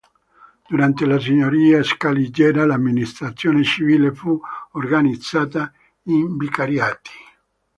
Durante la signoria scaligera l'amministrazione civile fu organizzata in vicariati.